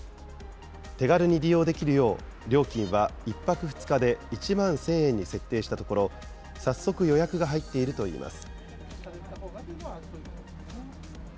手軽に利用できるよう、料金は１泊２日で１万１０００円に設定したところ、早速、予約が入っているといいます。